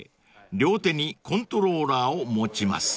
両手にコントローラーを持ちます］